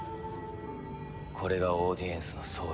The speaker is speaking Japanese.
これがオーディエンスの総意。